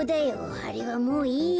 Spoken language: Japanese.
あれはもういいや。